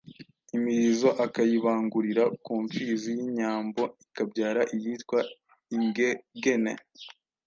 imirizo akayibangurira ku mfizi y'inyambo ikabyara iyitwa ingegene,